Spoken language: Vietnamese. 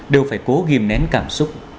đều phải cố ghim nén cảm xúc